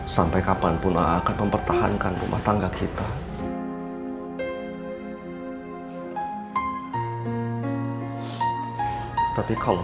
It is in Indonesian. sampai jumpa di video selanjutnya